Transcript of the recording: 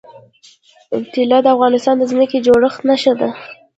طلا د افغانستان د ځمکې د جوړښت نښه ده.